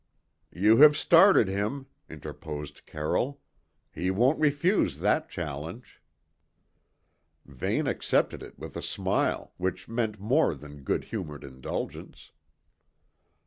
"You have started him," interposed Carroll. "He won't refuse that challenge!" Vane accepted it with a smile which meant more than good humoured indulgence.